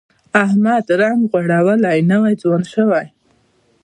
احمد رنګ غوړولی، نوی ځوان شوی دی.